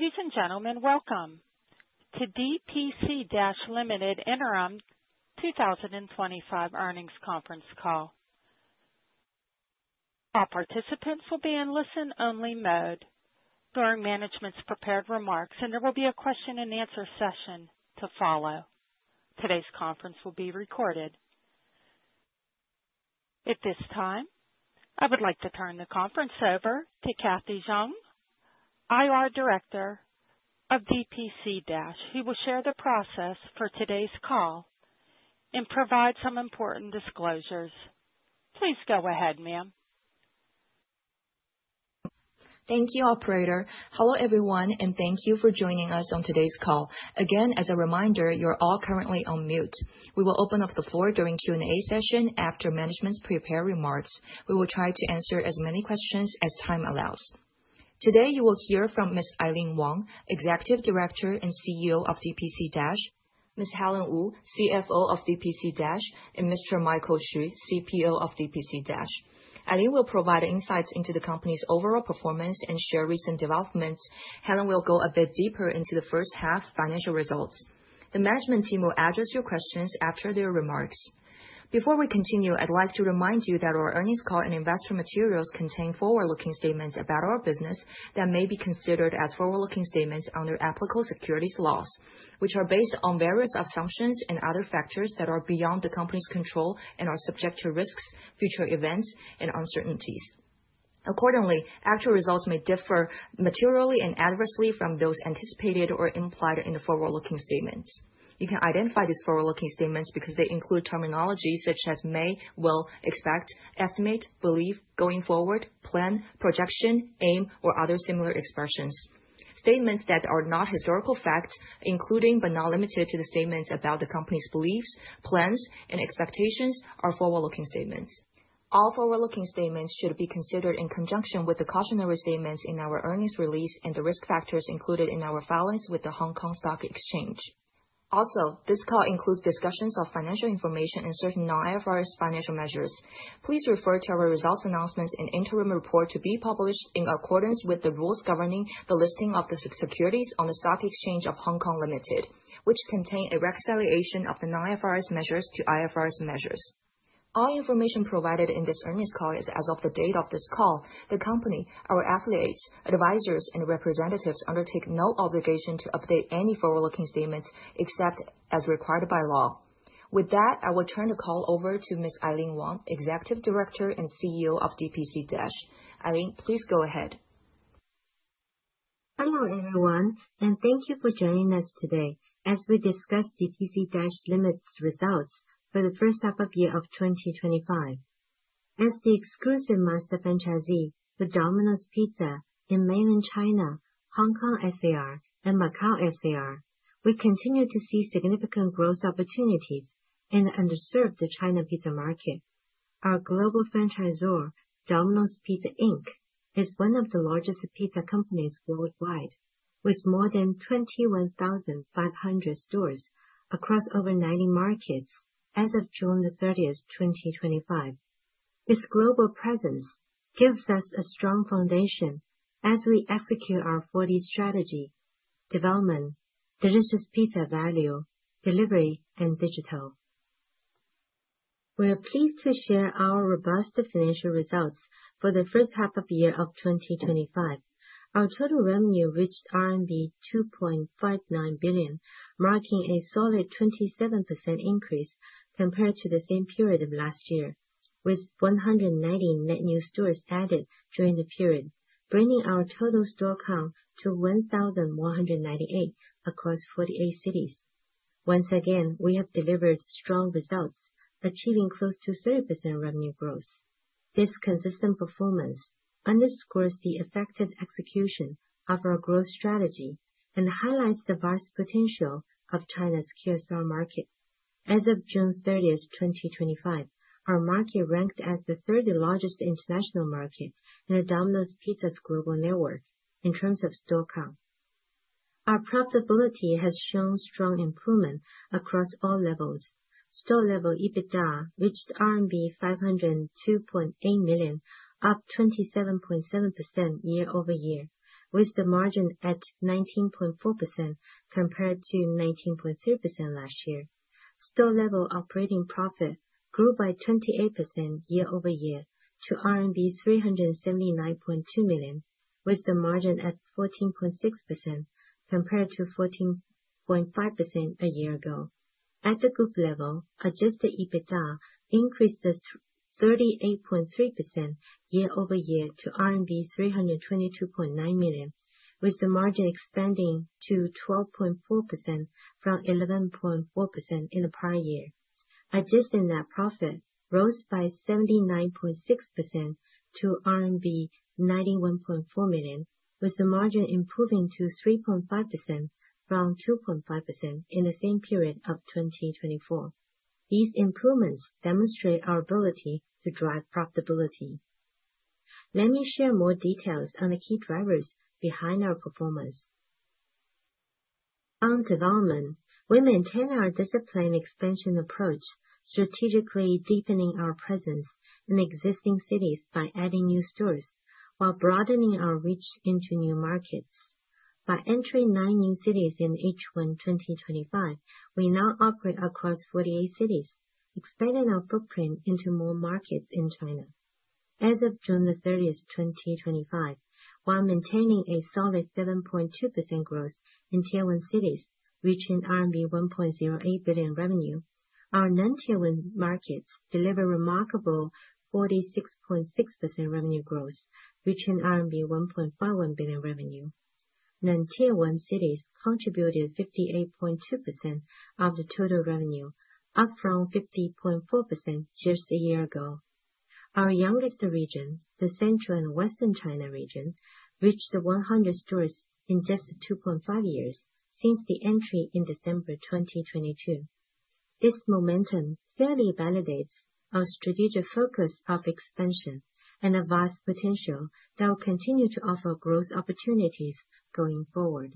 Ladies and gentlemen, welcome to DPC Dash Limited Interim 2025 Earnings Conference Call. All participants will be in listen-only mode during management's prepared remarks, and there will be a question-and-answer session to follow. Today's conference will be recorded. At this time, I would like to turn the conference over to Kathy Zhong, IR Director of DPC Dash, who will share the process for today's call and provide some important disclosures. Please go ahead, ma'am. Thank you, Operator. Hello everyone, and thank you for joining us on today's call. Again, as a reminder, you're all currently on mute. We will open up the floor during the Q&A session after management's prepared remarks. We will try to answer as many questions as time allows. Today, you will hear from Ms. Aileen Wang, Executive Director and CEO of DPC Dash; Ms. Helen Wu, CFO of DPC Dash; and Mr. Michael Xu, CPO of DPC Dash. Aileen will provide insights into the company's overall performance and share recent developments. Helen will go a bit deeper into the first half financial results. The management team will address your questions after their remarks. Before we continue, I'd like to remind you that our earnings call and investor materials contain forward-looking statements about our business that may be considered as forward-looking statements under applicable securities laws, which are based on various assumptions and other factors that are beyond the company's control and are subject to risks, future events, and uncertainties. Accordingly, actual results may differ materially and adversely from those anticipated or implied in the forward-looking statements. You can identify these forward-looking statements because they include terminology such as may, will, expect, estimate, believe, going forward, plan, projection, aim, or other similar expressions. Statements that are not historical fact, including but not limited to the statements about the company's beliefs, plans, and expectations, are forward-looking statements. All forward-looking statements should be considered in conjunction with the cautionary statements in our earnings release and the risk factors included in our filings with the Hong Kong Stock Exchange. Also, this call includes discussions of financial information and certain non-IFRS financial measures. Please refer to our results announcements and interim report to be published in accordance with the rules governing the listing of the securities on the Stock Exchange of Hong Kong Limited, which contain a reconciliation of the non-IFRS measures to IFRS measures. All information provided in this earnings call is as of the date of this call. The company, our affiliates, advisors, and representatives undertake no obligation to update any forward-looking statements except as required by law. With that, I will turn the call over to Ms. Aileen Wang, Executive Director and CEO of DPC Dash. Aileen, please go ahead. Hello everyone, and thank you for joining us today as we discuss DPC Dash Limited's results for the first half of the year of 2025. As the exclusive master franchisee for Domino's Pizza in Mainland China, Hong Kong SAR, and Macau SAR, we continue to see significant growth opportunities in the underserved China pizza market. Our global franchisor, Domino's Pizza Inc. is one of the largest pizza companies worldwide, with more than 21,500 stores across over 90 markets as of June 30, 2025. This global presence gives us a strong foundation as we execute our 4D strategy Development, Delicious Pizza Value, Delivery, and Digital. We are pleased to share our robust financial results for the first half of the year of 2025. Our total revenue reached RMB 2.59 billion, marking a solid 27% increase compared to the same period of last year, with 190 net new stores added during the period, bringing our total store count to 1,198 across 48 cities. Once again, we have delivered strong results, achieving close to 30% revenue growth. This consistent performance underscores the effective execution of our growth strategy and highlights the vast potential of China's QSR market. As of June 30, 2025, our market ranked as the third largest international market in Domino's Pizza's global network in terms of store count. Our profitability has shown strong improvement across all levels. Store-level EBITDA reached RMB 502.8 million, up 27.7% year-over-year, with the margin at 19.4% compared to 19.3% last year. Store-level operating profit grew by 28% year-over-year to RMB 379.2 million, with the margin at 14.6% compared to 14.5% a year ago. At the group level, adjusted EBITDA increased by 38.3% year-over-year to RMB 322.9 million, with the margin expanding to 12.4% from 11.4% in the prior year. Adjusted net profit rose by 79.6% to RMB 91.4 million, with the margin improving to 3.5% from 2.5% in the same period of 2024. These improvements demonstrate our ability to drive profitability. Let me share more details on the key drivers behind our performance. On development, we maintain our disciplined expansion approach, strategically deepening our presence in existing cities by adding new stores while broadening our reach into new markets. By entering nine new cities in H1 2025, we now operate across 48 cities, expanding our footprint into more markets in China. As of June 30, 2025, while maintaining a solid 7.2% growth in Tier 1 cities, reaching RMB 1.08 billion revenue, our non-Tier 1 markets delivered remarkable 46.6% revenue growth, reaching RMB 1.51 billion revenue. Non-Tier 1 cities contributed 58.2% of the total revenue, up from 50.4% just a year ago. Our youngest region, the Central and Western China region, reached 100 stores in just 2.5 years since the entry in December 2022. This momentum clearly validates our strategic focus of expansion and a vast potential that will continue to offer growth opportunities going forward.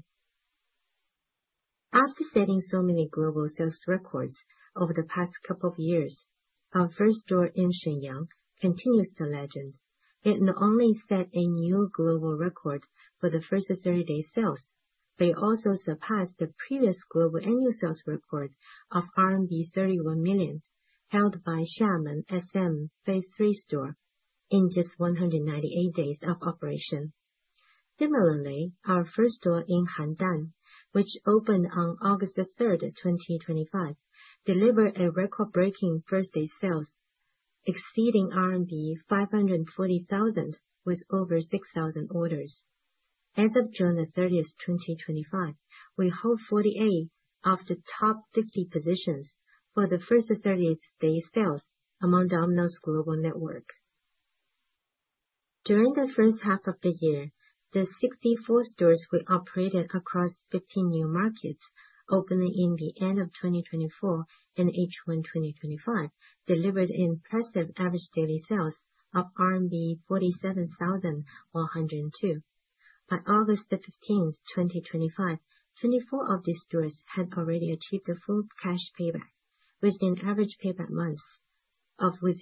After setting so many global sales records over the past couple of years, our first store in Shenyang continues the legend. It not only set a new global record for the first 30-day sales, but it also surpassed the previous global annual sales record of RMB 31 million held by Xiamen SM Phase 3 store in just 198 days of operation. Similarly, our first store in Handan, which opened on August 3, 2025, delivered a record-breaking first-day sales, exceeding RMB 540,000 with over 6,000 orders. As of June 30, 2025, we hold 48 of the top 50 positions for the first 30-day sales among Domino's global network. During the first half of the year, the 64 stores we operated across 15 new markets, opening in the end of 2024 and H1 2025, delivered impressive average daily sales of RMB 47,102. By August 15, 2025, 24 of these stores had already achieved a full cash payback within average payback months of 12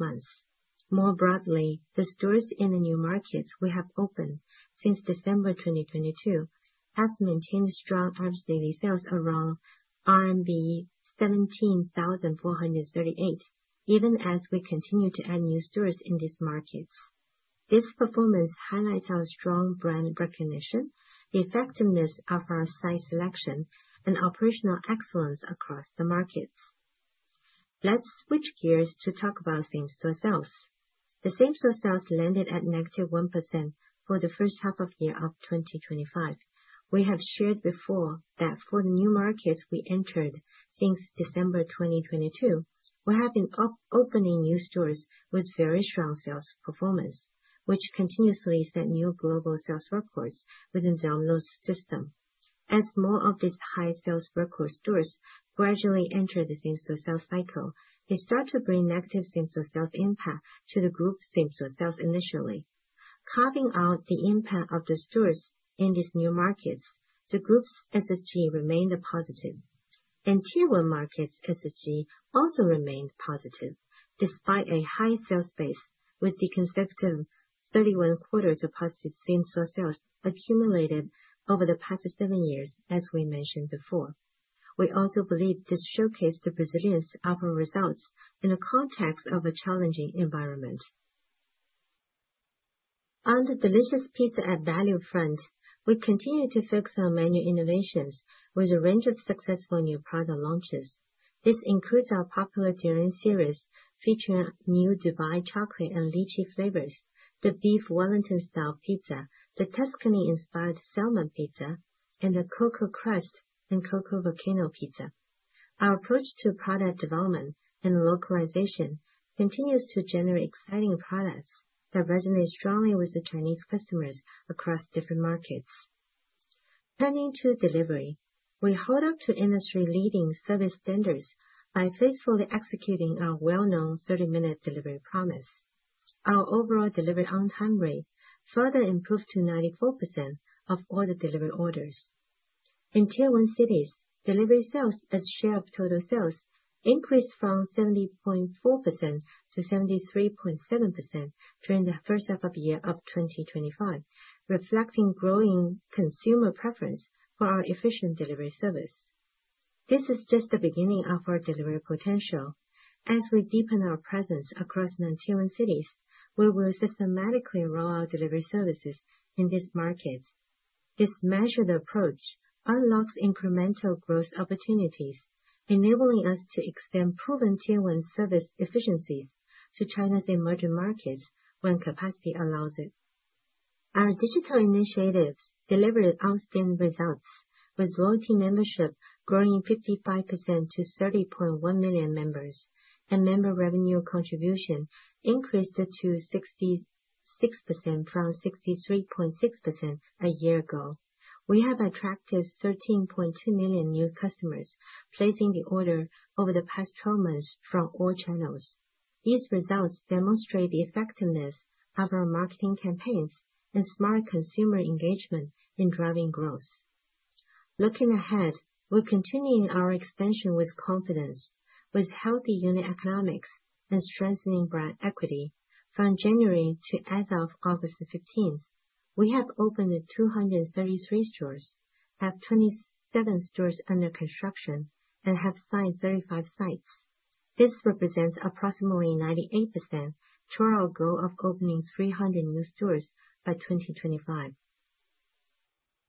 months. More broadly, the stores in the new markets we have opened since December 2022 have maintained strong average daily sales around RMB 17,438, even as we continue to add new stores in these markets. This performance highlights our strong brand recognition, the effectiveness of our site selection, and operational excellence across the markets. Let's switch gears to talk about same-store sales. The same-store sales landed at -1% for the first half of the year of 2025. We have shared before that for the new markets we entered since December 2022, we have been opening new stores with very strong sales performance, which continuously set new global sales records within Domino's system. As more of these high sales record stores gradually enter the same-store sales cycle, they start to bring negative same-store sales impact to the group same-store sales initially. Carving out the impact of the stores in these new markets, the group's SSG remained positive, and Tier 1 markets' SSG also remained positive despite a high sales base, with the consecutive 31 quarters of positive same-store sales accumulated over the past seven years, as we mentioned before. We also believe this showcased the resilience of our results in the context of a challenging environment. On the delicious pizza at value front, we continue to focus on menu innovations with a range of successful new product launches. This includes our popular durian series featuring new Dubai Chocolate and lychee flavors, the Beef Wellington-style pizza, the Tuscany-inspired salmon pizza, and the Cocoa Crust and Cocoa Volcano pizza. Our approach to product development and localization continues to generate exciting products that resonate strongly with Chinese customers across different markets. Turning to delivery, we hold up to industry-leading service standards by faithfully executing our well-known 30-minute delivery promise. Our overall delivery on-time rate further improved to 94% of all the delivery orders. In Tier 1 cities, delivery sales as share of total sales increased from 70.4% to 73.7% during the first half of the year of 2025, reflecting growing consumer preference for our efficient delivery service. This is just the beginning of our delivery potential. As we deepen our presence across non-Tier 1 cities, we will systematically roll out delivery services in these markets. This measured approach unlocks incremental growth opportunities, enabling us to extend proven Tier 1 service efficiencies to China's emerging markets when capacity allows it. Our digital initiatives delivered outstanding results, with loyalty membership growing 55% to 30.1 million members, and member revenue contribution increased to 66% from 63.6% a year ago. We have attracted 13.2 million new customers placing the order over the past 12 months from all channels. These results demonstrate the effectiveness of our marketing campaigns and smart consumer engagement in driving growth. Looking ahead, we're continuing our expansion with confidence. With healthy unit economics and strengthening brand equity, from January to as of August 15, we have opened 233 stores, have 27 stores under construction, and have signed 35 sites. This represents approximately 98% toward our goal of opening 300 new stores by 2025.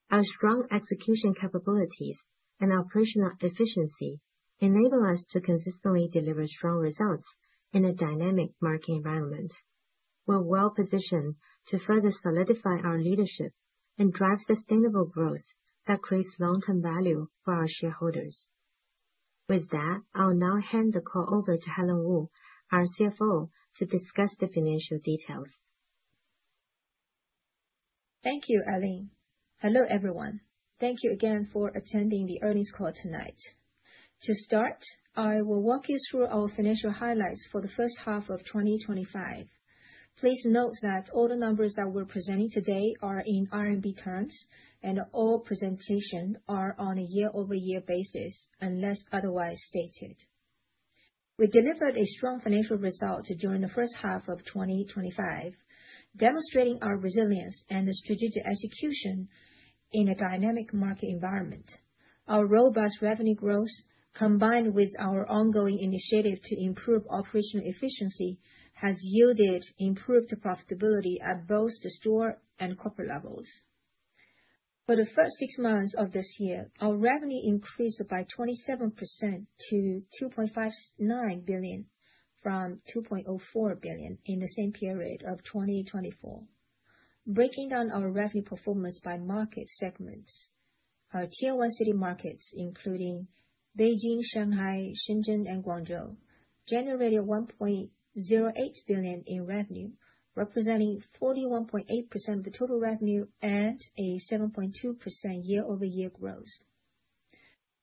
Our strong execution capabilities and operational efficiency enable us to consistently deliver strong results in a dynamic market environment. We're well-positioned to further solidify our leadership and drive sustainable growth that creates long-term value for our shareholders. With that, I'll now hand the call over to Helen Wu, our CFO, to discuss the financial details. Thank you, Aileen. Hello everyone. Thank you again for attending the earnings call tonight. To start, I will walk you through our financial highlights for the first half of 2025. Please note that all the numbers that we're presenting today are in RMB terms, and all presentations are on a year-over-year basis, unless otherwise stated. We delivered a strong financial result during the first half of 2025, demonstrating our resilience and the strategic execution in a dynamic market environment. Our robust revenue growth, combined with our ongoing initiative to improve operational efficiency, has yielded improved profitability at both the store and corporate levels. For the first six months of this year, our revenue increased by 27% to 2.59 billion from 2.04 billion in the same period of 2024. Breaking down our revenue performance by market segments, our Tier 1 city markets, including Beijing, Shanghai, Shenzhen, and Guangzhou, generated 1.08 billion in revenue, representing 41.8% of the total revenue and a 7.2% year-over-year growth.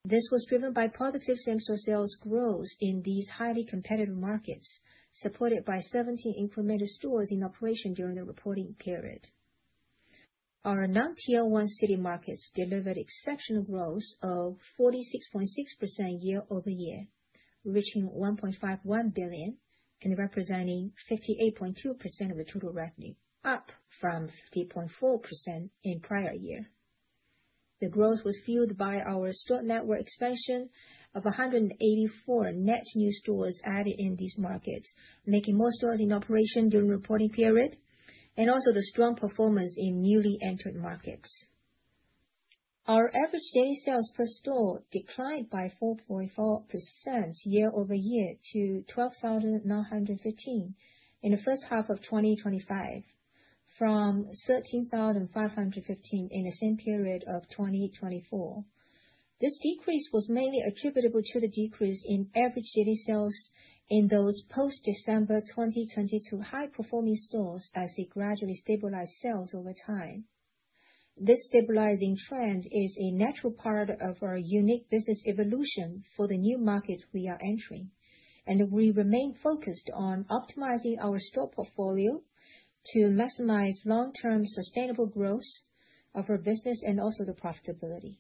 This was driven by positive same-store sales growth in these highly competitive markets, supported by 17 incremental stores in operation during the reporting period. Our non-Tier 1 city markets delivered exceptional growth of 46.6% year-over-year, reaching 1.51 billion and representing 58.2% of the total revenue, up from 50.4% in prior year. The growth was fueled by our store network expansion of 184 net new stores added in these markets, making more stores in operation during the reporting period, and also the strong performance in newly entered markets. Our average daily sales per store declined by 4.4% year-over-year to 12,915 in the first half of 2025, from 13,515 in the same period of 2024. This decrease was mainly attributable to the decrease in average daily sales in those post-December 2022 high-performing stores as they gradually stabilized sales over time. This stabilizing trend is a natural part of our unique business evolution for the new markets we are entering, and we remain focused on optimizing our store portfolio to maximize long-term sustainable growth of our business and also the profitability.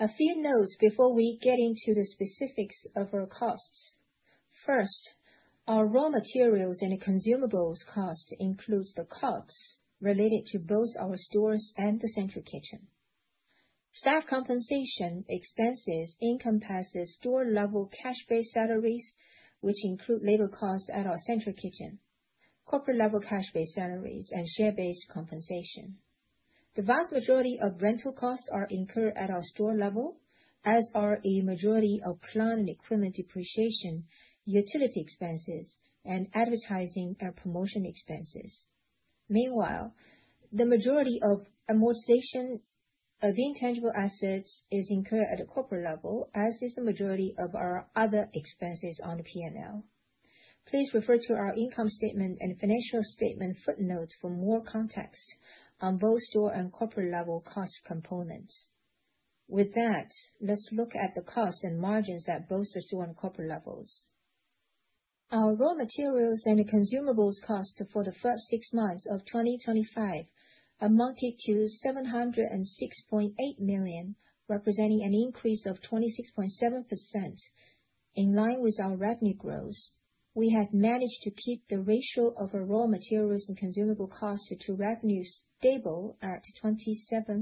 A few notes before we get into the specifics of our costs. First, our raw materials and consumables cost includes the costs related to both our stores and the central kitchen. Staff compensation expenses encompass the store-level cash-based salaries, which include labor costs at our central kitchen, corporate-level cash-based salaries, and share-based compensation. The vast majority of rental costs are incurred at our store level, as are a majority of plant and equipment depreciation, utility expenses, and advertising and promotion expenses. Meanwhile, the majority of amortization of intangible assets is incurred at the corporate level, as is the majority of our other expenses on the P&L. Please refer to our income statement and financial statement footnotes for more context on both store and corporate-level cost components. With that, let's look at the costs and margins at both the store and corporate levels. Our raw materials and consumables cost for the first six months of 2025 amounted to 706.8 million, representing an increase of 26.7%. In line with our revenue growth, we have managed to keep the ratio of our raw materials and consumable costs to revenue stable at 27.3%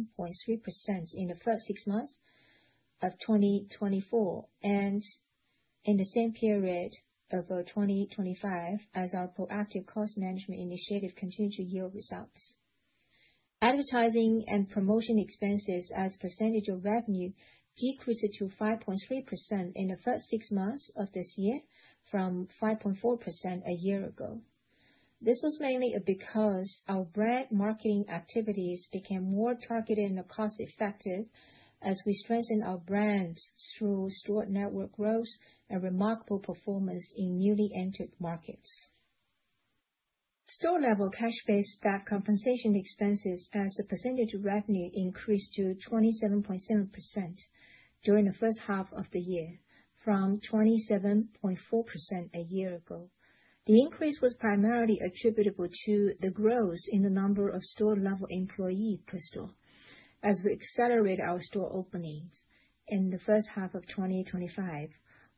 in the first six months of 2024 and in the same period of 2025, as our proactive cost management initiative continues to yield results. Advertising and promotion expenses as a percentage of revenue decreased to 5.3% in the first six months of this year, from 5.4% a year ago. This was mainly because our brand marketing activities became more targeted and cost-effective as we strengthened our brand through store network growth and remarkable performance in newly entered markets. Store-level cash-based staff compensation expenses as a percentage of revenue increased to 27.7% during the first half of the year, from 27.4% a year ago. The increase was primarily attributable to the growth in the number of store-level employees per store. As we accelerated our store openings in the first half of 2025,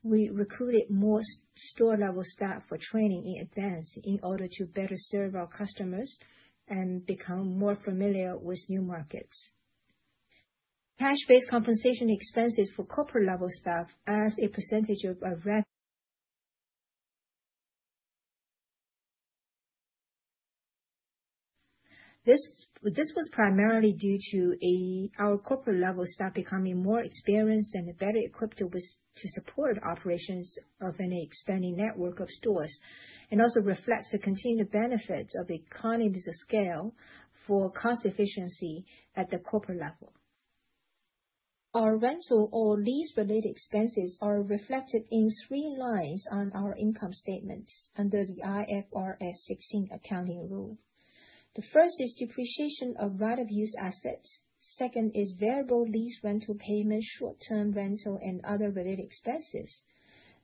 we recruited more store-level staff for training in advance in order to better serve our customers and become more familiar with new markets. Cash-based compensation expenses for corporate-level staff as a percentage of our revenue. This was primarily due to our corporate-level staff becoming more experienced and better equipped to support operations of an expanding network of stores, and also reflects the continued benefits of economies of scale for cost efficiency at the corporate level. Our rental or lease-related expenses are reflected in three lines on our income statements under the IFRS 16 accounting rule. The first is depreciation of right-of-use assets. Second is variable lease rental payments, short-term rental, and other related expenses.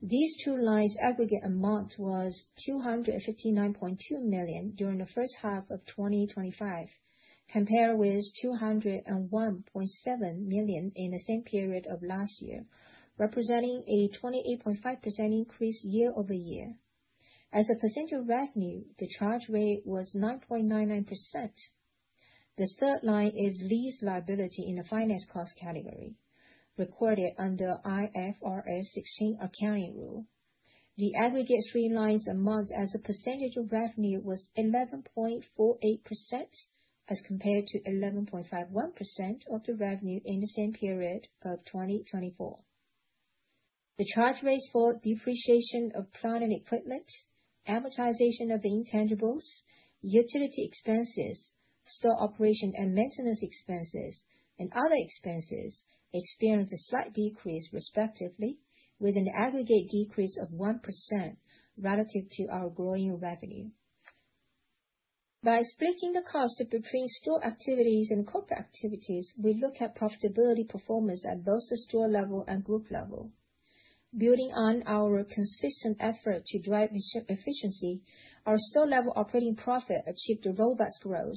These two lines aggregate amount was 259.2 million during the first half of 2025, compared with 201.7 million in the same period of last year, representing a 28.5% increase year-over-year. As a percentage of revenue, the charge rate was 9.99%. The third line is lease liability in the finance cost category, recorded under IFRS 16 accounting rule. The aggregate three lines amount as a percentage of revenue was 11.48% as compared to 11.51% of the revenue in the same period of 2024. The charge rates for depreciation of plant and equipment, amortization of intangibles, utility expenses, store operation and maintenance expenses, and other expenses experienced a slight decrease respectively, with an aggregate decrease of 1% relative to our growing revenue. By splitting the cost between store activities and corporate activities, we look at profitability performance at both the store level and group level. Building on our consistent effort to drive efficiency, our store-level operating profit achieved a robust growth.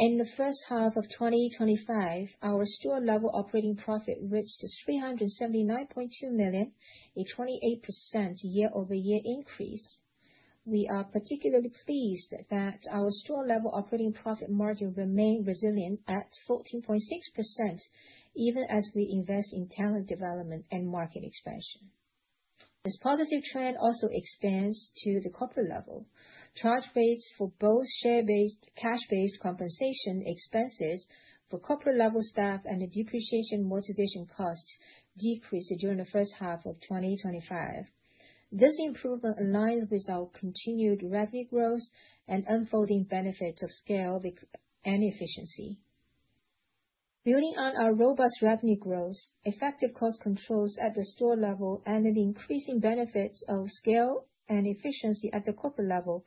In the first half of 2025, our store-level operating profit reached 379.2 million, a 28% year-over-year increase. We are particularly pleased that our store-level operating profit margin remained resilient at 14.6%, even as we invest in talent development and market expansion. This positive trend also extends to the corporate level. Charge rates for both share-based, cash-based compensation expenses for corporate-level staff and the depreciation and amortization cost decreased during the first half of 2025. This improvement aligns with our continued revenue growth and unfolding benefits of scale and efficiency. Building on our robust revenue growth, effective cost controls at the store level, and the increasing benefits of scale and efficiency at the corporate level,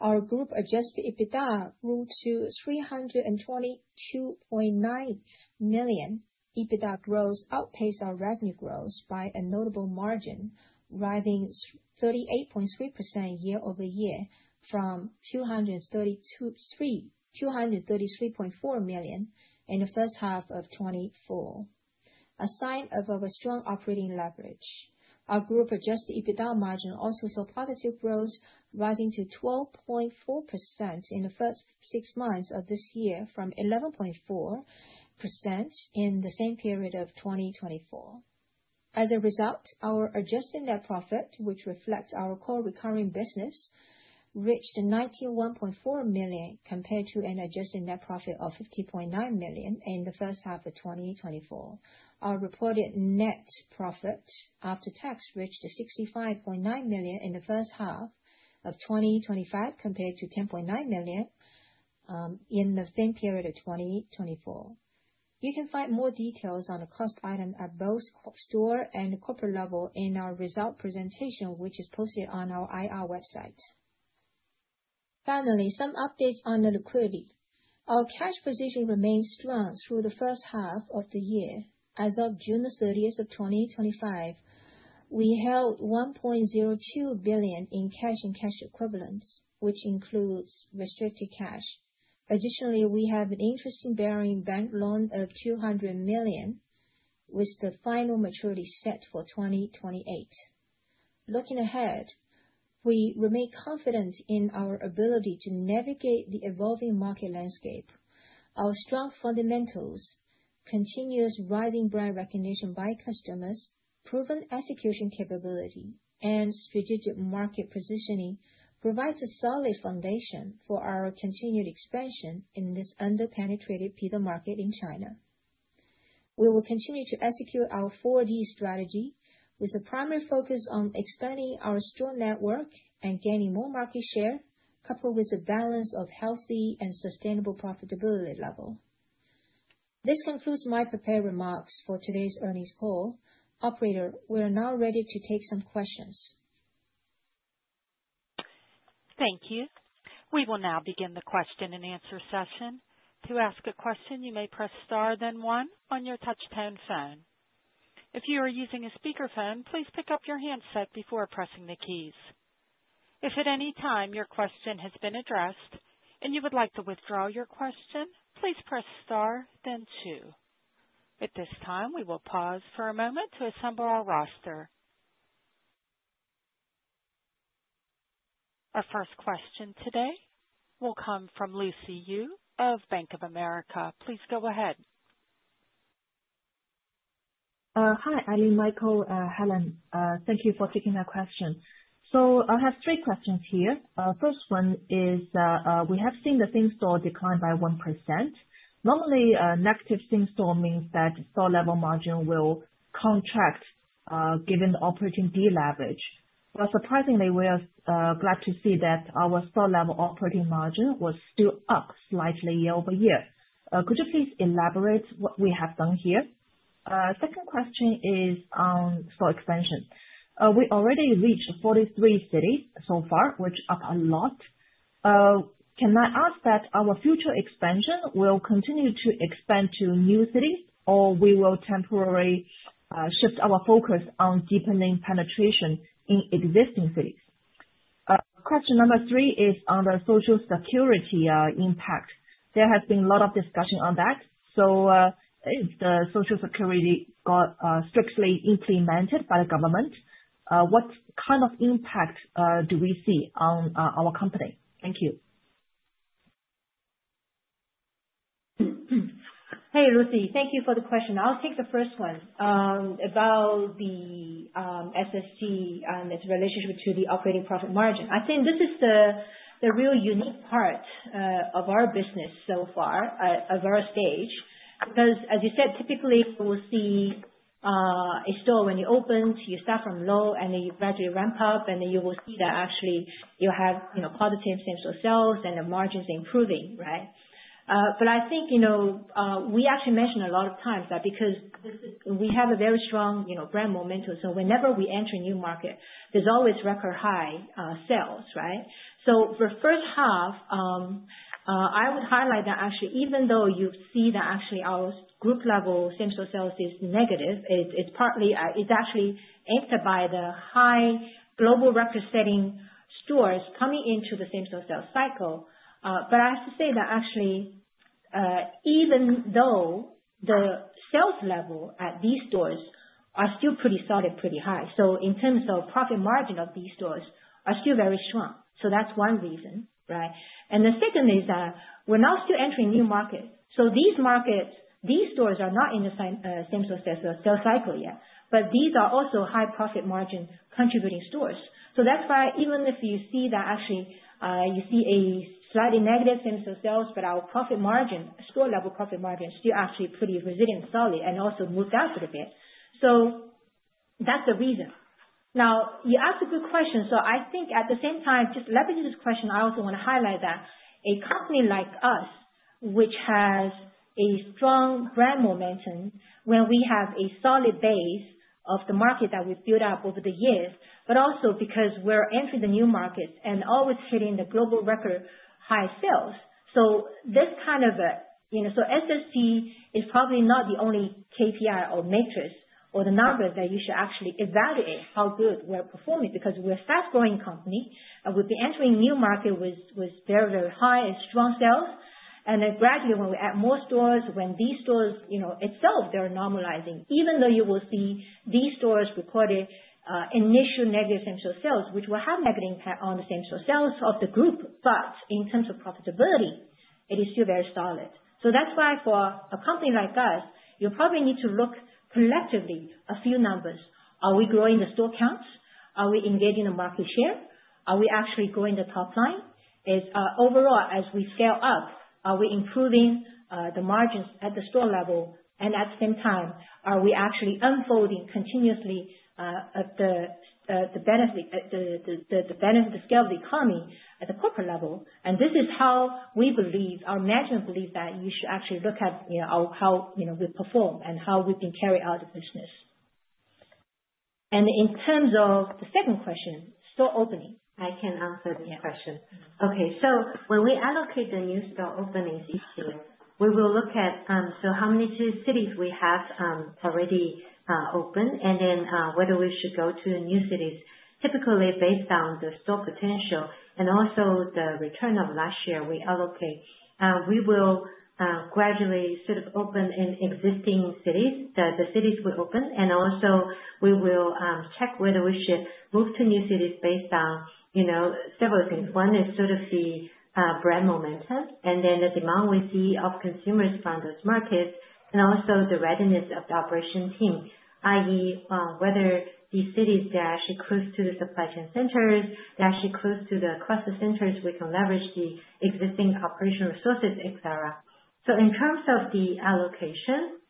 our group Adjusted EBITDA grew to 322.9 million. EBITDA growth outpaced our revenue growth by a notable margin, rising 38.3% year-over-year from 233.4 million in the first half of 2024, a sign of our strong operating leverage. Our group Adjusted EBITDA margin also saw positive growth, rising to 12.4% in the first six months of this year, from 11.4% in the same period of 2024. As a result, our adjusted net profit, which reflects our core recurring business, reached 91.4 million compared to an adjusted net profit of 50.9 million in the first half of 2024. Our reported net profit after tax reached 65.9 million in the first half of 2025 compared to 10.9 million in the same period of 2024. You can find more details on the cost item at both store and corporate level in our results presentation, which is posted on our IR website. Finally, some updates on the liquidity. Our cash position remained strong through the first half of the year. As of June 30, 2025, we held 1.02 billion in cash and cash equivalents, which includes restricted cash. Additionally, we have an interest-bearing bank loan of 200 million, with the final maturity set for 2028. Looking ahead, we remain confident in our ability to navigate the evolving market landscape. Our strong fundamentals, continuous rising brand recognition by customers, proven execution capability, and strategic market positioning provide a solid foundation for our continued expansion in this under-penetrated pizza market in China. We will continue to execute our 4D strategy, with a primary focus on expanding our store network and gaining more market share, coupled with a balance of healthy and sustainable profitability level. This concludes my prepared remarks for today's earnings call. Operator, we are now ready to take some questions. Thank you. We will now begin the question and answer session. To ask a question, you may press star, then one on your touch-tone phone. If you are using a speakerphone, please pick up your handset before pressing the keys. If at any time your question has been addressed and you would like to withdraw your question, please press star, then two. At this time, we will pause for a moment to assemble our roster. Our first question today will come from Lucy Yu of Bank of America. Please go ahead. Hi, Michael and Helen. Thank you for taking my question. So I have three questions here. First one is, we have seen the same-store decline by 1%. Normally, negative same-store means that store-level margin will contract given the operating deleverage. But surprisingly, we are glad to see that our store-level operating margin was still up slightly year-over-year. Could you please elaborate what we have done here? Second question is on store expansion. We already reached 43 cities so far, which is up a lot. Can I ask that our future expansion will continue to expand to new cities, or will we temporarily shift our focus on deepening penetration in existing cities? Question number three is on the social security impact. There has been a lot of discussion on that. So if the social security got strictly implemented by the government, what kind of impact do we see on our company? Thank you. Hey, Lucy, thank you for the question. I'll take the first one about the SSC and its relationship to the operating profit margin. I think this is the real unique part of our business so far at our stage because, as you said, typically we'll see a store when you open, you start from low, and then you gradually ramp up, and then you will see that actually you have positive same-store sales and the margins improving, right? But I think we actually mentioned a lot of times that because we have a very strong brand momentum, so whenever we enter a new market, there's always record high sales, right? So for the first half, I would highlight that actually even though you see that actually our group-level same-store sales is negative, it's actually aided by the high global record-setting stores coming into the same-store sales cycle. But I have to say that actually even though the sales level at these stores are still pretty solid, pretty high. So in terms of profit margin of these stores are still very strong. So that's one reason, right? And the second is that we're now still entering new markets. So these markets, these stores are not in the same sort of sales cycle yet, but these are also high profit margin contributing stores. So that's why even if you see that actually you see a slightly negative same-store sales, but our profit margin, store-level profit margin is still actually pretty resilient, solid, and also moved out a little bit. So that's the reason. Now, you asked a good question. So I think at the same time, just leveraging this question, I also want to highlight that a company like us, which has a strong brand momentum when we have a solid base of the market that we've built up over the years, but also because we're entering the new markets and always hitting the global record high sales. So this kind of a so-called SSC is probably not the only KPI or metric or the numbers that you should actually evaluate how good we're performing because we're a fast-growing company. We've been entering new markets with very, very high and strong sales. And then gradually, when we add more stores, when these stores themselves, they're normalizing, even though you will see these stores recording initial negative same-store sales, which will have a negative impact on the same-store sales of the group. But in terms of profitability, it is still very solid. So that's why for a company like us, you probably need to look collectively at a few numbers. Are we growing the store counts? Are we gaining market share? Are we actually growing the top line? Overall, as we scale up, are we improving the margins at the store level? And at the same time, are we actually unlocking continuously the benefits of economies of scale at the corporate level? And this is how we believe, our management believes that you should actually look at how we perform and how we've been carrying out the business. In terms of the second question, store opening. I can answer this question. Okay. When we allocate the new store openings each year, we will look at how many cities we have already opened and then whether we should go to new cities. Typically, based on the store potential and also the return of last year we allocate, we will gradually sort of open in existing cities. The cities we open, and also we will check whether we should move to new cities based on several things. One is sort of the brand momentum and then the demand we see of consumers from those markets and also the readiness of the operation team, i.e., whether these cities, they're actually close to the supply chain centers, they're actually close to the cluster centers, we can leverage the existing operational resources, etc. In terms of the allocation,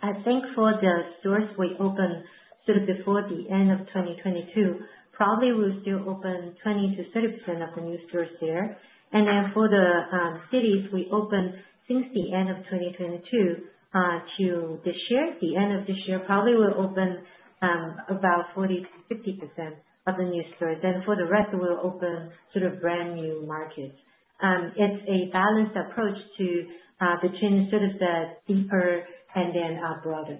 I think for the stores we open sort of before the end of 2022, probably we'll still open 20%-30% of the new stores there. And then for the cities we opened since the end of 2022 to this year, the end of this year, probably we'll open about 40%-50% of the new stores. Then for the rest, we'll open sort of brand new markets. It's a balanced approach between sort of the deeper and then our broader.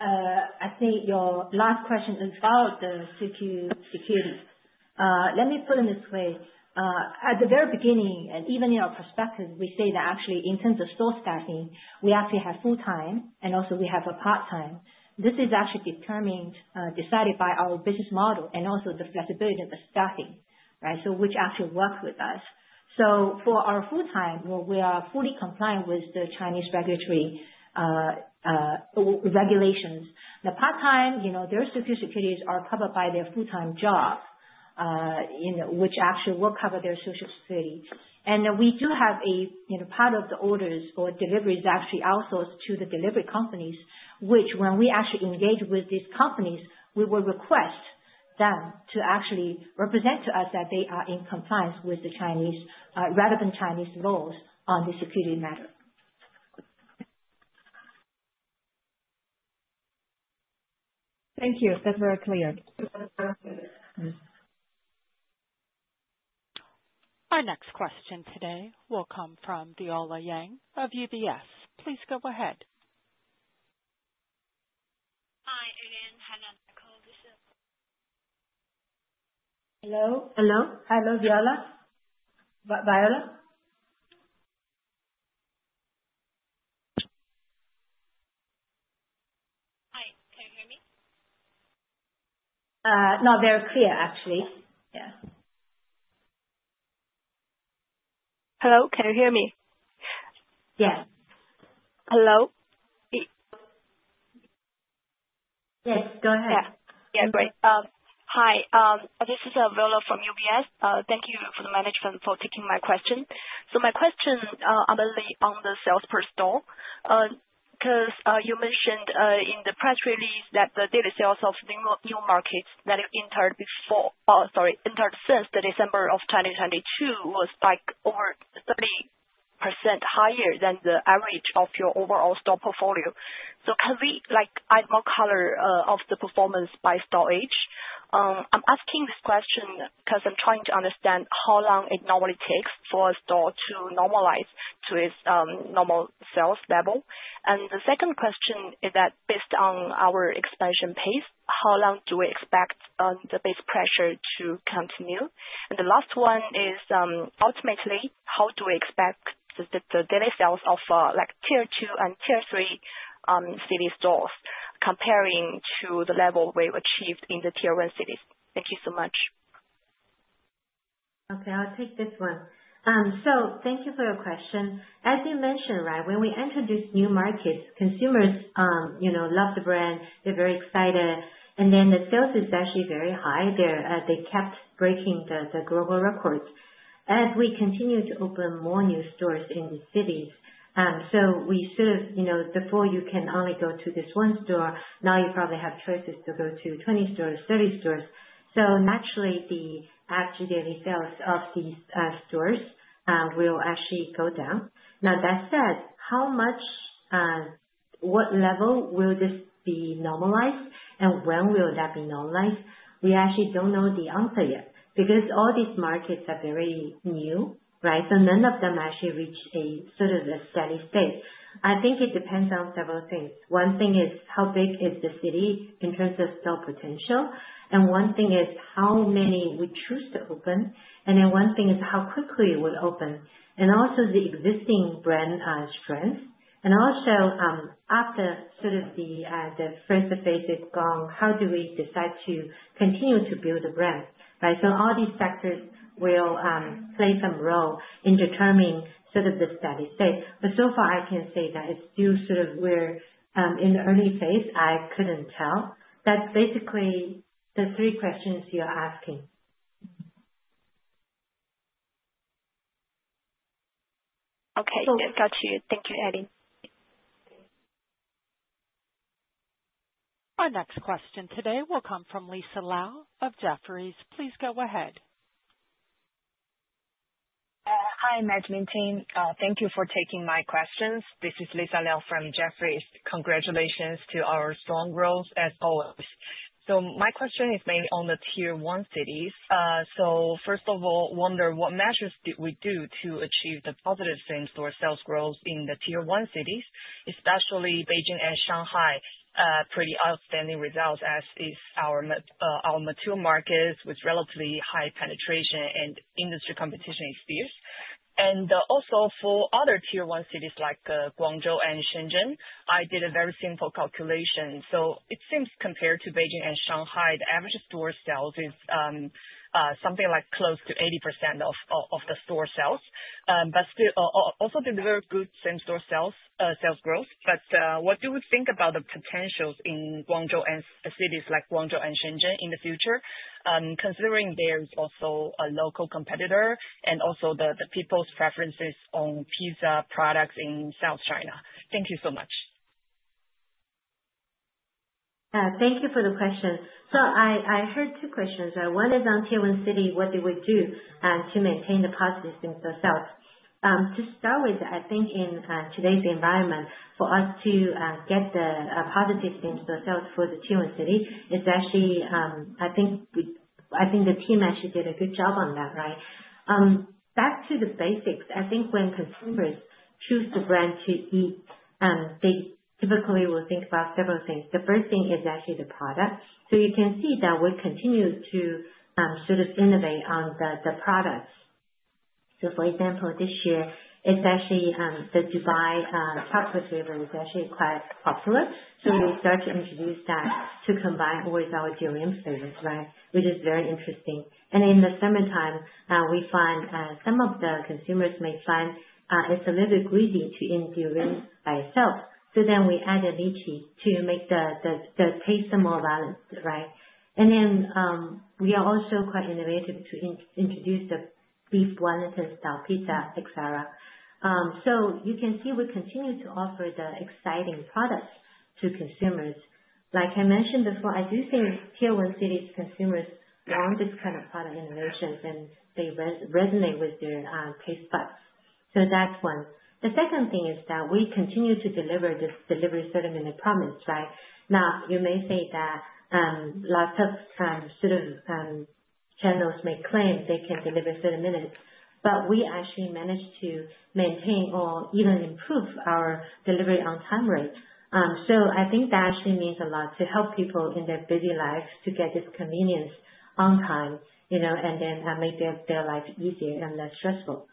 I think your last question is about the security. Let me put it this way. At the very beginning, and even in our perspective, we say that actually in terms of store staffing, we actually have full-time and also we have a part-time. This is actually determined, decided by our business model and also the flexibility of the staffing, right, so which actually works with us. So for our full-time, we are fully compliant with the Chinese regulatory regulations. The part-time, their social security is covered by their full-time job, which actually will cover their social security. And we do have a part of the orders or deliveries actually outsourced to the delivery companies, which when we actually engage with these companies, we will request them to actually represent to us that they are in compliance with the relevant Chinese laws on the social security matter. Thank you. That's very clear. Our next question today will come from Viola Yang of UBS. Please go ahead. Hi, again. Hello, Viola. Hi. Can you hear me? Not very clear, actually. Yeah. Hello. Can you hear me? Yes. Go ahead. Yeah. Great. Hi. This is Viola from UBS. Thank you to the management for taking my question. So my question is on the sales per store because you mentioned in the press release that the daily sales of new markets that have entered before or sorry, entered since the December of 2022 was over 30% higher than the average of your overall store portfolio. So can we add more color of the performance by store age? I'm asking this question because I'm trying to understand how long it normally takes for a store to normalize to its normal sales level. And the second question is that based on our expansion pace, how long do we expect the base pressure to continue? And the last one is, ultimately, how do we expect the daily sales of Tier 2 and Tier 3 city stores comparing to the level we've achieved in the Tier 1 cities? Thank you so much. Okay. I'll take this one. So thank you for your question. As you mentioned, right, when we enter these new markets, consumers love the brand. They're very excited. And then the sales is actually very high. They kept breaking the global record as we continue to open more new stores in the cities. So we sort of before you can only go to this one store, now you probably have choices to go to 20 stores, 30 stores. So naturally, the average daily sales of these stores will actually go down. Now, that said, how much, what level will this be normalized, and when will that be normalized? We actually don't know the answer yet because all these markets are very new, right? So none of them actually reached a sort of a steady state. I think it depends on several things. One thing is how big is the city in terms of store potential, and one thing is how many we choose to open, and then one thing is how quickly we open, and also the existing brand strength. And also after sort of the first phase is gone, how do we decide to continue to build the brand, right? So all these factors will play some role in determining sort of the steady state. But so far, I can say that it's still sort of we're in the early phase. I couldn't tell. That's basically the three questions you're asking. Okay. Got you. Thank you, Helen. Our next question today will come from Lisa Liao of Jefferies. Please go ahead. Hi, management. Thank you for taking my questions. This is Lisa Liao from Jefferies. Congratulations on our strong growth as always. So my question is mainly on the Tier 1 cities. So first of all, I wonder what measures did we do to achieve the positive same-store sales growth in the Tier 1 cities, especially Beijing and Shanghai? Pretty outstanding results as in our mature markets with relatively high penetration and industry competition spheres. And also for other Tier 1 cities like Guangzhou and Shenzhen, I did a very simple calculation. So it seems compared to Beijing and Shanghai, the average store sales is something like close to 80% of the store sales. But also did very good same-store sales growth. But what do we think about the potentials in Guangzhou and cities like Guangzhou and Shenzhen in the future, considering there is also a local competitor and also the people's preferences on pizza products in South China? Thank you so much. Thank you for the question. So I heard two questions. One is on Tier 1 city, what did we do to maintain the positive same-store sales? To start with, I think in today's environment, for us to get the positive same-store sales for the Tier 1 cities, it's actually I think the team actually did a good job on that, right? Back to the basics, I think when consumers choose the brand to eat, they typically will think about several things. The first thing is actually the product. So you can see that we continue to sort of innovate on the products. For example, this year, it's actually the Dubai Chocolate flavor is actually quite popular. So we start to introduce that to combine with our Durian flavor, right, which is very interesting. And in the summertime, we find some of the consumers may find it's a little bit greasy to eat durian by itself. So then we added Lychee to make the taste more balanced, right? And then we are also quite innovative to introduce the Beef Wellington-style pizza, etc. So you can see we continue to offer the exciting products to consumers. Like I mentioned before, I do think Tier 1 cities' consumers want this kind of product innovations and they resonate with their taste buds. So that's one. The second thing is that we continue to deliver this delivery certainly in the promise, right? Now, you may say that lots of sort of channels may claim they can deliver certain minutes, but we actually managed to maintain or even improve our delivery on-time rate, so I think that actually means a lot to help people in their busy lives to get this convenience on-time and then make their life easier and less stressful,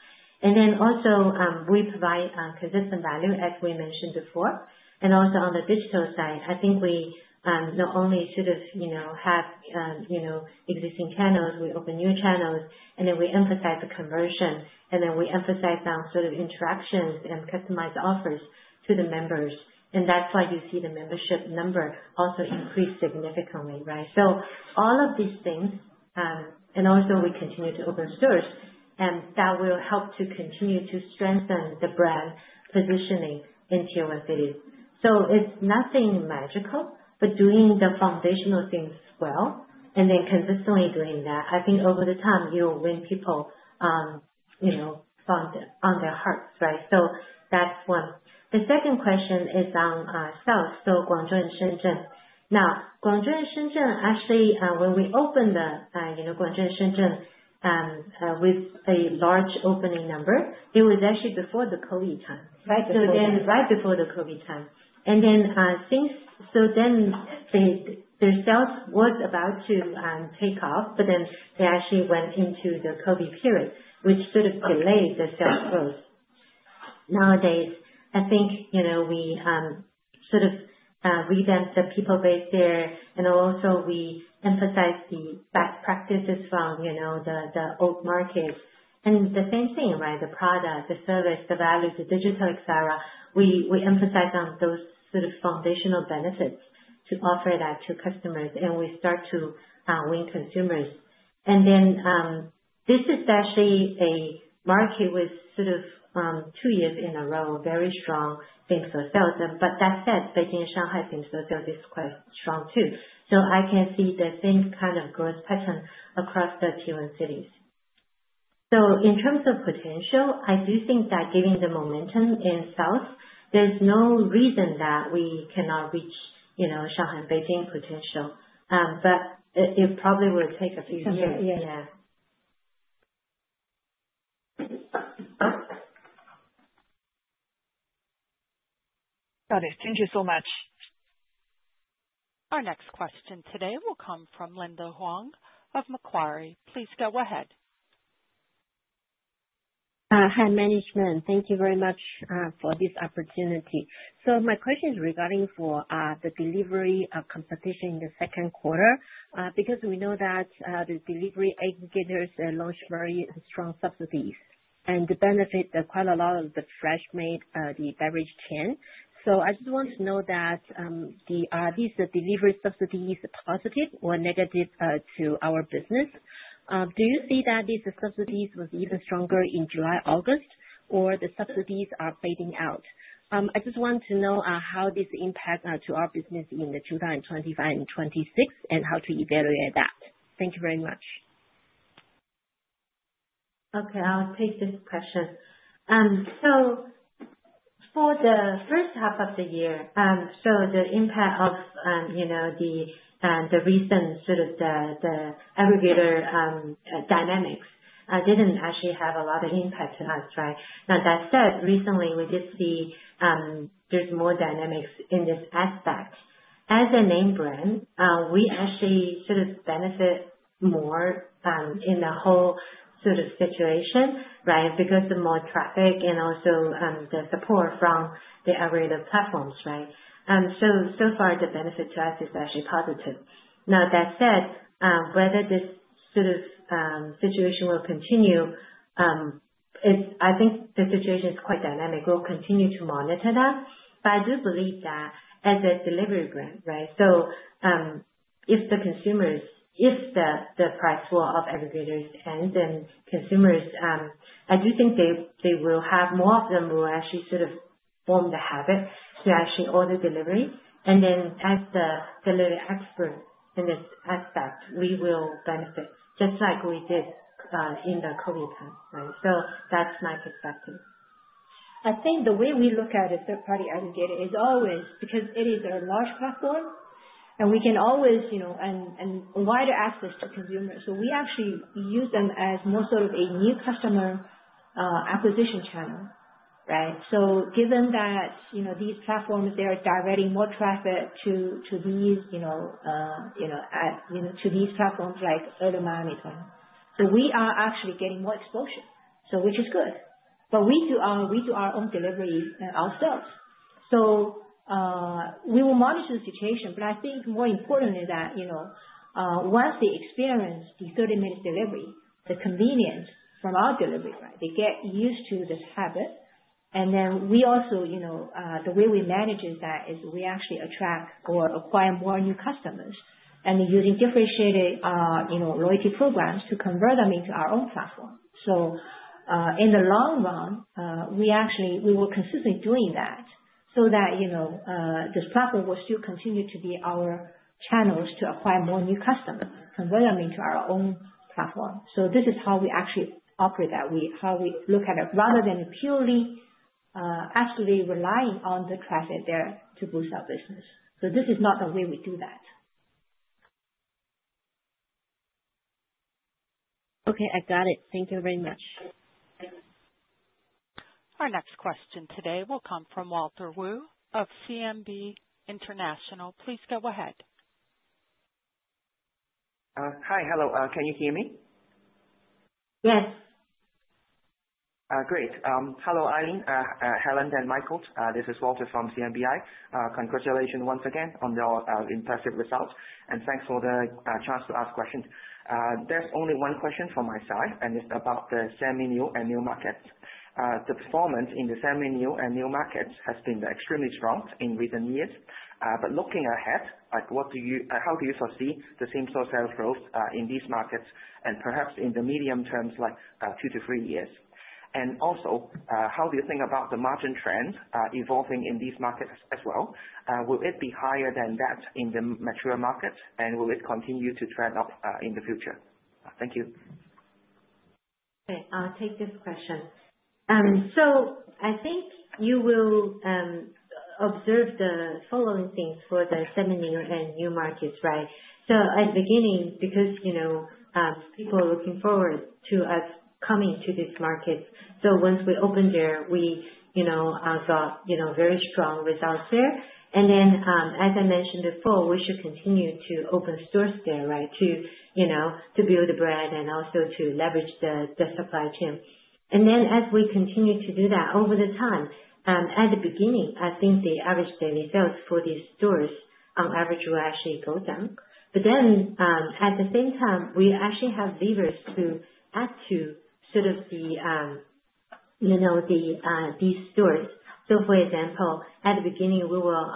and then also we provide consistent value, as we mentioned before, and also on the digital side, I think we not only sort of have existing channels, we open new channels, and then we emphasize the conversion, and then we emphasize down sort of interactions and customized offers to the members, and that's why you see the membership number also increase significantly, right, so all of these things, and also we continue to open stores, and that will help to continue to strengthen the brand positioning in Tier 1 cities. So it's nothing magical, but doing the foundational things well and then consistently doing that, I think over the time, you'll win people on their hearts, right? So that's one. The second question is on sales, so Guangzhou and Shenzhen. Now, Guangzhou and Shenzhen, actually, when we opened Guangzhou and Shenzhen with a large opening number, it was actually before the COVID time, right? So then right before the COVID time. And then so then their sales was about to take off, but then they actually went into the COVID period, which sort of delayed the sales growth. Nowadays, I think we sort of revamped the people base there, and also we emphasize the best practices from the old markets. And the same thing, right? The product, the service, the value, the digital, etc. We emphasize on those sort of foundational benefits to offer that to customers, and we start to win consumers. And then this is actually a market with sort of two years in a row, very strong same-store sales. But that said, Beijing and Shanghai same-store sales is quite strong too. So I can see the same kind of growth pattern across the Tier 1 cities. So in terms of potential, I do think that given the momentum in south, there's no reason that we cannot reach Shanghai and Beijing potential, but it probably will take a few years. Yeah. Got it. Thank you so much. Our next question today will come from Linda Huang of Macquarie. Please go ahead. Hi management. Thank you very much for this opportunity. So, my question is regarding for the delivery competition in the Q2 because we know that the delivery aggregators launched very strong subsidies and benefited quite a lot of the fresh-made, the beverage chain. So, I just want to know that these delivery subsidies are positive or negative to our business. Do you see that these subsidies were even stronger in July, August, or the subsidies are fading out? I just want to know how this impacts our business in 2025 and 2026 and how to evaluate that. Thank you very much. Okay. I'll take this question. So, for the first half of the year, so the impact of the recent sort of the aggregator dynamics didn't actually have a lot of impact to us, right? Now, that said, recently, we did see there's more dynamics in this aspect. As a name brand, we actually sort of benefit more in the whole sort of situation, right, because of more traffic and also the support from the aggregator platforms, right? So far, the benefit to us is actually positive. Now, that said, whether this sort of situation will continue, I think the situation is quite dynamic. We'll continue to monitor that. But I do believe that as a delivery brand, right, so if the consumers, if the price falls off aggregators and then consumers, I do think they will have more of them will actually sort of form the habit to actually order delivery. And then as the delivery expert in this aspect, we will benefit just like we did in the COVID time, right? So that's my perspective. I think the way we look at a third-party aggregator is always because it is a large platform, and we can always gain wider access to consumers. So we actually use them as more sort of a new customer acquisition channel, right? So given that these platforms, they are directing more traffic to these platforms like Meituan. So we are actually getting more exposure, which is good. But we do our own delivery ourselves. So we will monitor the situation, but I think more importantly that once they experience the 30-minute delivery, the convenience from our delivery, right? They get used to this habit. And then we also, the way we manage that is we actually attract or acquire more new customers, using differentiated loyalty programs to convert them into our own platform. So in the long run, we will consistently be doing that so that this platform will still continue to be our channels to acquire more new customers, convert them into our own platform. So this is how we actually operate that, how we look at it rather than purely actually relying on the traffic there to boost our business. So this is not the way we do that. Okay. I got it. Thank you very much. Our next question today will come from Walter Woo of CMB International. Please go ahead. Hi. Hello. Can you hear me? Yes. Great. Hello, Aileen, Helen and Michael. This is Walter from CMBI. Congratulations once again on your impressive results, and thanks for the chance to ask questions. There's only one question from my side, and it's about the semi-new and new markets. The performance in the semi-new and new markets has been extremely strong in recent years. But looking ahead, how do you foresee the theme store sales growth in these markets and perhaps in the medium terms, like two to three years? And also, how do you think about the margin trends evolving in these markets as well? Will it be higher than that in the mature markets, and will it continue to trend up in the future? Thank you. Okay. I'll take this question. So I think you will observe the following things for the semi-new and new markets, right? So at the beginning, because people are looking forward to us coming to these markets. So once we opened there, we got very strong results there. As I mentioned before, we should continue to open stores there, right, to build a brand and also to leverage the supply chain. As we continue to do that over time, at the beginning, I think the average daily sales for these stores on average will actually go down. But at the same time, we actually have levers to add to sort of these stores. For example, at the beginning, we will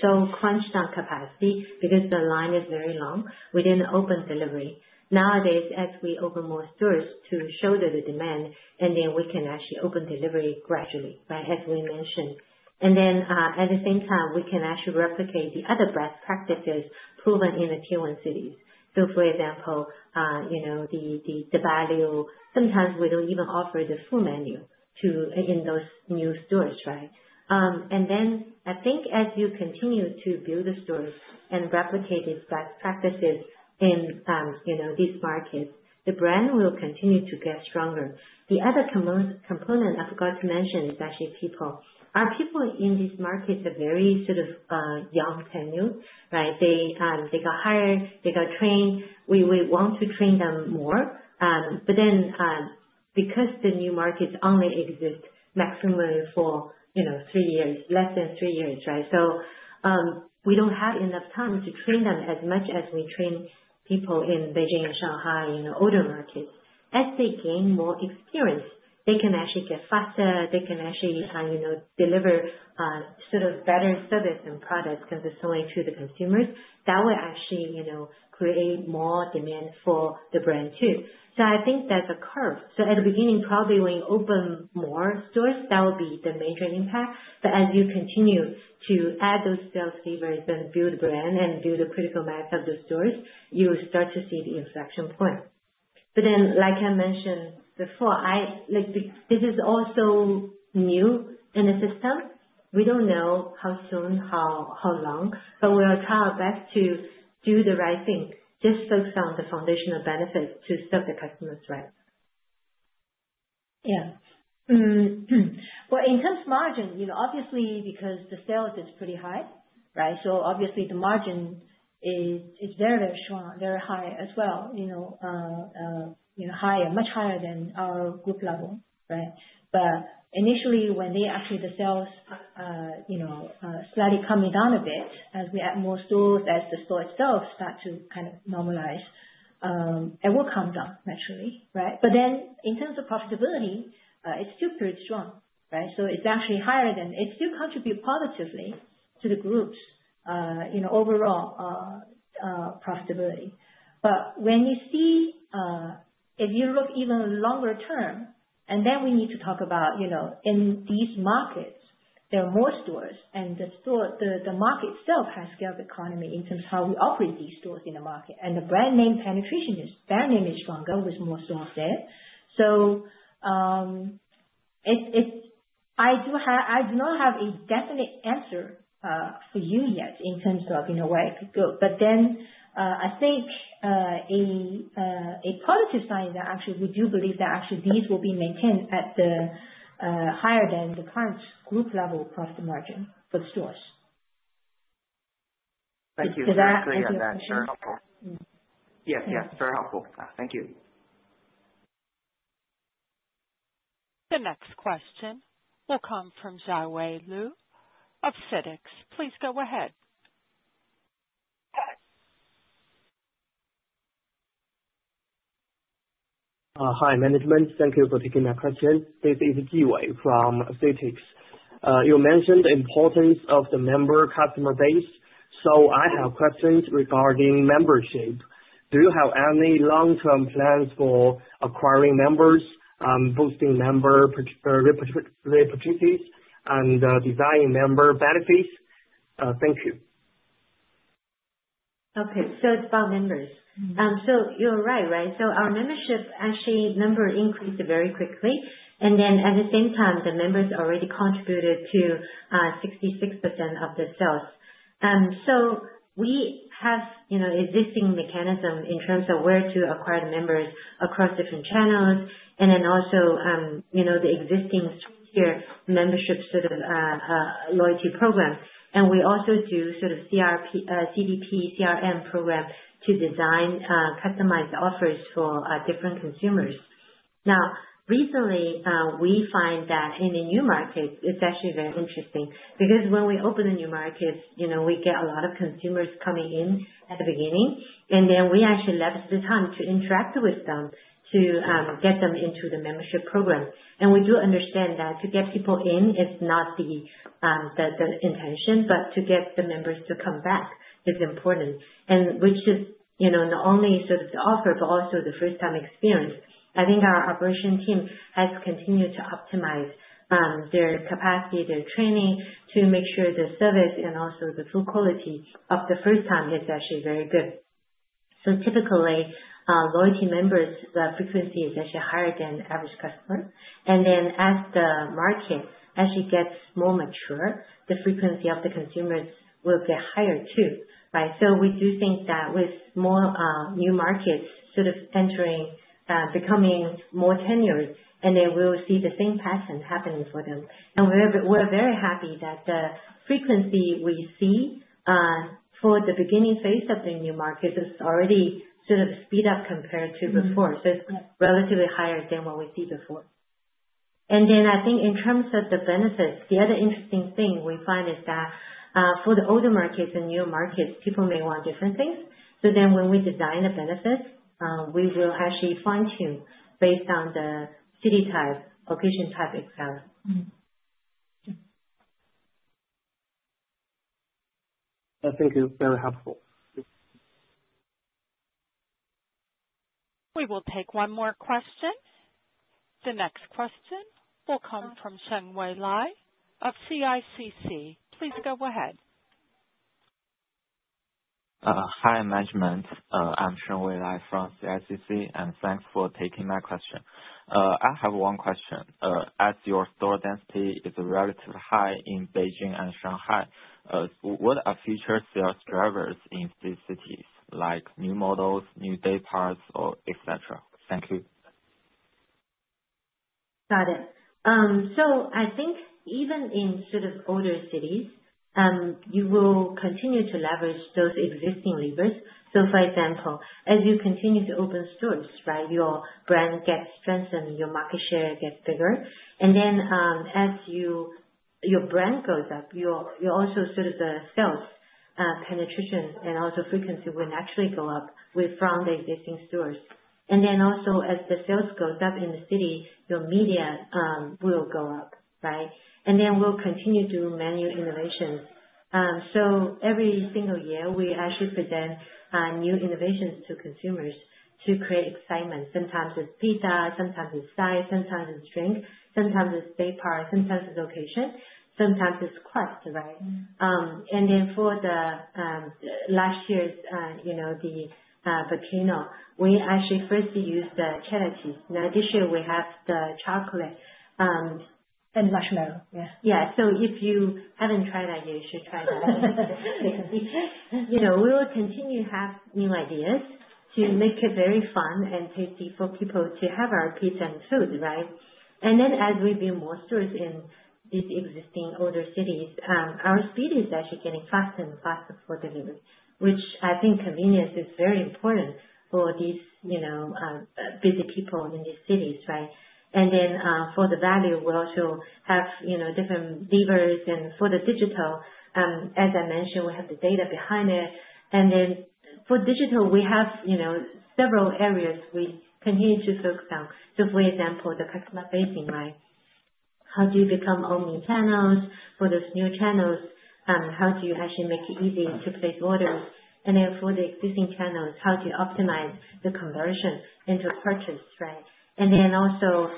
sell crunched on capacity because the line is very long. We didn't open delivery. Nowadays, as we open more stores to shoulder the demand, and then we can actually open delivery gradually, right, as we mentioned. At the same time, we can actually replicate the other best practices proven in the Tier 1 cities. For example, the value. Sometimes we don't even offer the full menu in those new stores, right? And then I think as you continue to build the stores and replicate these best practices in these markets, the brand will continue to get stronger. The other component I forgot to mention is actually people. Our people in these markets are very sort of young and new, right? They got hired, they got trained. We want to train them more. But then because the new markets only exist maximum for three years, less than three years, right? So we don't have enough time to train them as much as we train people in Beijing and Shanghai in older markets. As they gain more experience, they can actually get faster. They can actually deliver sort of better service and products consistently to the consumers. That will actually create more demand for the brand too. I think there's a curve. At the beginning, probably when you open more stores, that will be the major impact. As you continue to add those sales levers and build a brand and build a critical mass of the stores, you will start to see the inflection point. Then, like I mentioned before, this is also new in the system. We don't know how soon, how long, but we will try our best to do the right thing, just focus on the foundational benefits to serve the customers, right? Yeah. In terms of margin, obviously, because the sales is pretty high, right? Obviously, the margin is very, very strong, very high as well, higher, much higher than our group level, right? But initially, when they actually the sales slightly coming down a bit as we add more stores, as the store itself starts to kind of normalize, it will come down naturally, right? But then in terms of profitability, it's still pretty strong, right? So it's actually higher than it still contributes positively to the group's overall profitability. But when you see if you look even longer term, and then we need to talk about in these markets, there are more stores, and the market itself has scaled the economy in terms of how we operate these stores in the market. And the brand name penetration is brand name is stronger. With more stores there. So I do not have a definite answer for you yet in terms of where it could go. But then I think a positive sign is that actually we do believe that actually these will be maintained at the higher than the current group level profit margin for the stores. Thank you. That's very helpful. Yes. Yeah. Very helpful. Thank you. The next question will come from Jiawei Liu of CITIC Securities. Please go ahead. Hi, management. Thank you for taking my question. This is Jiawei from CITIC Securities. You mentioned the importance of the member customer base. So I have questions regarding membership. Do you have any long-term plans for acquiring members, boosting member reputations, and designing member benefits? Thank you. Okay. So it's about members. So you're right, right? So our membership actually member increased very quickly. And then at the same time, the members already contributed to 66% of the sales. So we have existing mechanisms in terms of where to acquire the members across different channels and then also the existing strong-tier membership sort of loyalty program. And we also do sort of CDP, CRM program to design customized offers for different consumers. Now, recently, we find that in the new markets, it's actually very interesting because when we open the new markets, we get a lot of consumers coming in at the beginning, and then we actually leverage the time to interact with them to get them into the membership program. And we do understand that to get people in is not the intention, but to get the members to come back is important, which is not only sort of the offer but also the first-time experience. I think our operations team has continued to optimize their capacity, their training to make sure the service and also the food quality from the first time is actually very good. So typically, loyalty members' frequency is actually higher than average customers. And then as the market actually gets more mature, the frequency of the consumers will get higher too, right? So we do think that with more new markets sort of entering, becoming more tenured, and then we will see the same pattern happening for them. And we're very happy that the frequency we see for the beginning phase of the new markets has already sort of speed up compared to before. So it's relatively higher than what we see before. And then I think in terms of the benefits, the other interesting thing we find is that for the older markets and newer markets, people may want different things. So then when we design the benefits, we will actually fine-tune based on the city type, location type, etc. Thank you. Very helpful. We will take one more question. The next question will come from Shengwei Lai of CICC. Please go ahead. Hi, management. I'm Shengwei Lai from CICC, and thanks for taking my question. I have one question. As your store density is relatively high in Beijing and Shanghai, what are future sales drivers in these cities, like new models, new dayparts, etc.? Thank you. Got it. So I think even in sort of older cities, you will continue to leverage those existing levers. For example, as you continue to open stores, right? Your brand gets strengthened, your market share gets bigger, and then as your brand goes up, you're also sort of the sales penetration and also frequency will naturally go up from the existing stores, and then also as the sales goes up in the city, your media will go up, right? And then we'll continue to do menu innovations. Every single year, we actually present new innovations to consumers to create excitement. Sometimes it's pizza, sometimes it's side, sometimes it's drink, sometimes it's daypart, sometimes it's location, sometimes it's crust, right? And then for last year, the Volcano, we actually first used the cherry tea. Now this year, we have the chocolate and marshmallow. Yeah. Yeah. If you haven't tried that yet, you should try that. We will continue to have new ideas to make it very fun and tasty for people to have our pizza and food, right? And then as we build more stores in these existing older cities, our speed is actually getting faster and faster for delivery, which I think convenience is very important for these busy people in these cities, right? And then for the value, we also have different levers. And for the digital, as I mentioned, we have the data behind it. And then for digital, we have several areas we continue to focus on. So for example, the customer facing, right? How do you become omnichannel for those new channels? How do you actually make it easy to place orders? And then for the existing channels, how do you optimize the conversion into purchase, right? And then also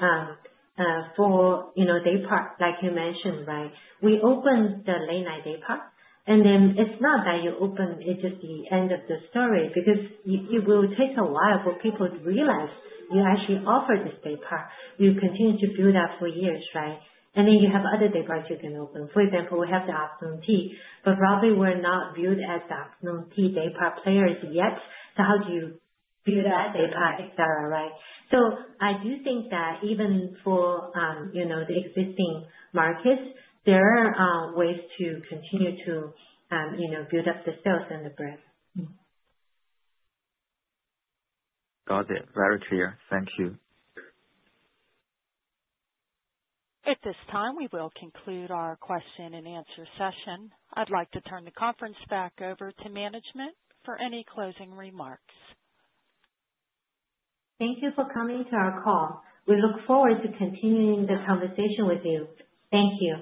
for daypart, like you mentioned, right? We opened the late-night daypart, and then it's not that you open it. Just the end of the story because it will take a while for people to realize you actually offer this daypart. You continue to build up for years, right? And then you have other dayparts you can open. For example, we have the afternoon tea, but probably we're not viewed as the afternoon tea daypart players yet. So how do you build that daypart, etc., right? So I do think that even for the existing markets, there are ways to continue to build up the sales and the brand. Got it. Very clear. Thank you. At this time, we will conclude our question and answer session. I'd like to turn the conference back over to management for any closing remarks. Thank you for coming to our call. We look forward to continuing the conversation with you. Thank you.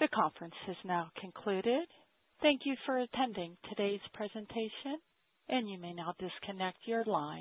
The conference has now concluded. Thank you for attending today's presentation, and you may now disconnect your line.